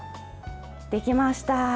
できました！